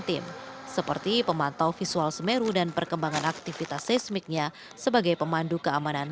tim seperti pemantau visual semeru dan perkembangan aktivitas seismiknya sebagai pemandu keamanan